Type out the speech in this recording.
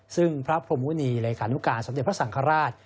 ซึ่งพระพรหมุณีเลขานุการสมเด็จพระสังฆราช